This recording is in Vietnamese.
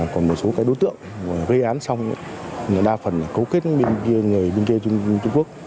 còn một số đối tượng gây án xong đa phần cấu kết bên kia trung quốc